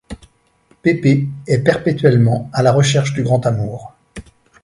Pépé est perpétuellement à la recherche du grand amour.